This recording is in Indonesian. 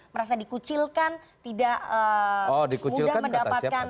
merasa dikucilkan tidak mudah mendapatkan mitra koalisi